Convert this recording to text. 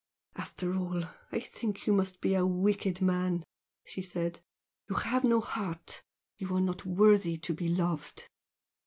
"After all, I think you must be a wicked man!" she said "You have no heart! You are not worthy to be loved!"